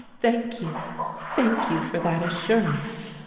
thank you—thank you for that assurance!"